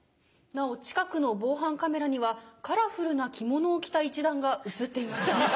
なお近くの防犯カメラにはカラフルな着物を着た一団が写っていました。